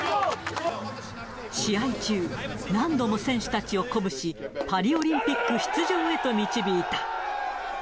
試合中、何度も選手たちを鼓舞し、パリオリンピック出場へと導いた。